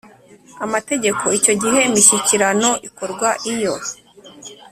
amategeko Icyo gihe imishyikirano ikorwa iyo